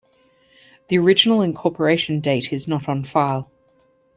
The original incorporation date is not on file.